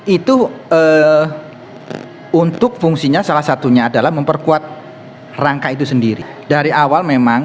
itu untuk fungsinya salah satunya adalah memperkuat rangka itu sendiri dari awal memang